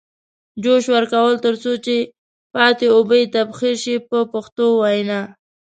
جوش ورکوي تر څو چې پاتې اوبه یې تبخیر شي په پښتو وینا.